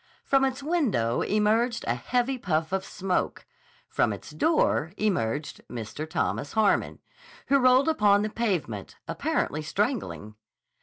From its window emerged a heavy puff of smoke. From its door emerged Mr. Thomas Harmon, who rolled upon the pavement apparently strangling.